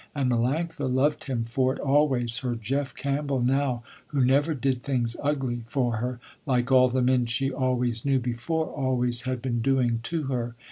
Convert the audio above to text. And Melanctha loved him for it always, her Jeff Campbell now, who never did things ugly, for her, like all the men she always knew before always had been doing to her.